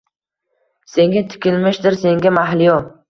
Senga tikilmishdir, senga mahliyo?